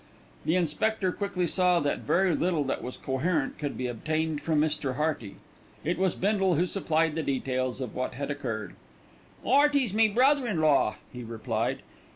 The inspector quickly saw that very little that was coherent could be obtained from Mr. Hearty. It was Bindle who supplied the details of what had occurred. "'Earty's me brother in law," he replied.